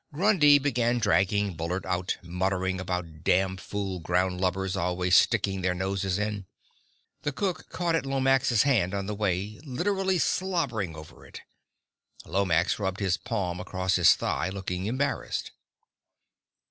Grundy began dragging Bullard out, muttering about damn fool groundlubbers always sticking their noses in. The cook caught at Lomax's hand on the way, literally slobbering over it. Lomax rubbed his palm across his thigh, looking embarrassed.